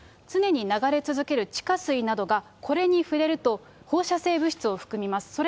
常に流れ続ける地下水などがこれに触れると、放射性物質を含みます。